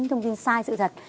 những thông tin sai sự thật